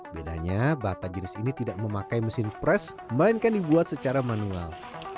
bedanya bata jenis ini tidak memakai mesin fresh melainkan dibuat secara manual